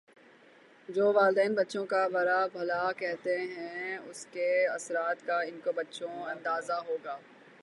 جو والدین بچوں کا برا بھلا کہتے ہیں اسکے اثرات کا انکو بخوبی اندازہ ہو گا